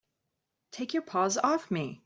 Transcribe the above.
Take your paws off me!